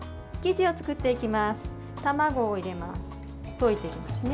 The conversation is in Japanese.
といていきますね。